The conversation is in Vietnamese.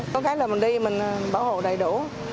có cái là mình đi mình bảo hộ đầy đủ